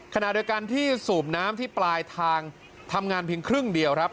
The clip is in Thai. ขณะเดียวกันที่สูบน้ำที่ปลายทางทำงานเพียงครึ่งเดียวครับ